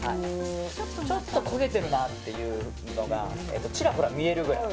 ちょっと焦げてるなっていうのがちらほら見えるぐらい。